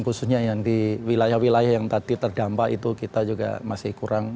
khususnya yang di wilayah wilayah yang tadi terdampak itu kita juga masih kurang